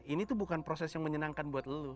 ini tuh bukan proses yang menyenangkan buat lo